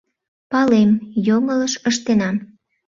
Палем, йоҥылыш ыштенам.